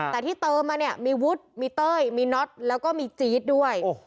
แต่ที่เติมมาเนี่ยมีวุฒิมีเต้ยมีน็อตแล้วก็มีจี๊ดด้วย